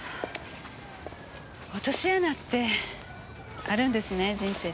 落とし穴ってあるんですね人生って。